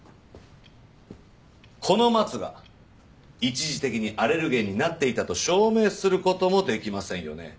このマツが一時的にアレルゲンになっていたと証明する事もできませんよね？